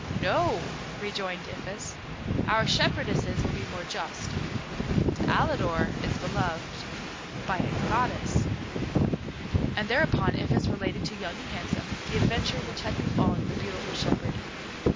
"No," rejoined Iphis; "our shepherdesses will be more just; but Alidor is beloved by a goddess." And thereupon Iphis related to Young and Handsome the adventure which had befallen the beautiful shepherd.